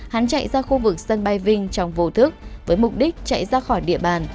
hắn chạy ra khu vực sân bay vinh trong vô thức với mục đích chạy ra khỏi địa bàn